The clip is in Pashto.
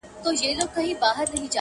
په ژړا ژړا یې وایستم له ښاره!